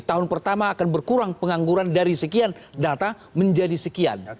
tahun pertama akan berkurang pengangguran dari sekian data menjadi sekian